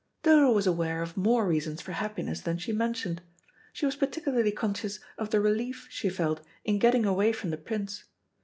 Dodo was aware of more reasons for happiness than she mentioned. She was particularly conscious of the relief she felt in getting away from the Prince.